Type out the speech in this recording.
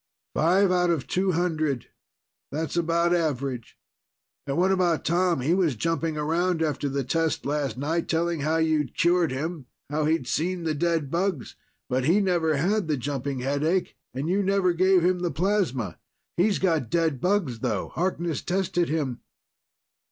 "Five out of two hundred. That's about average. And what about Tom? He was jumping around after the test last night, telling how you'd cured him, how he'd seen the dead bugs; but he never had the jumping headache, and you never gave him the plasma! He's got dead bugs, though. Harkness tested him."